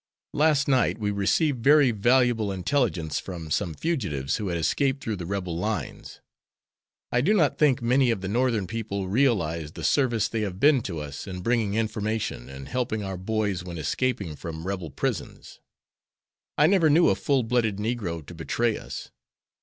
Last night we received very valuable intelligence from some fugitives who had escaped through the Rebel lines. I do not think many of the Northern people realize the service they have been to us in bringing information and helping our boys when escaping from Rebel prisons. I never knew a full blooded negro to betray us.